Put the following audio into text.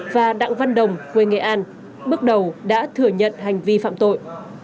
và đảng văn đồng quê nghệ an bước đầu đã thử nhận hành vi phạm tội